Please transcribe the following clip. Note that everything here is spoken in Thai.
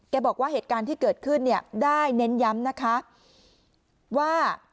บอกว่าเหตุการณ์ที่เกิดขึ้นเนี่ยได้เน้นย้ำนะคะว่า